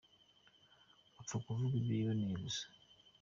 Apfa kuvuga ibyo yiboneye gusa ?